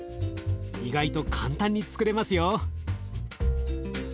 意外と簡単につくれますよ。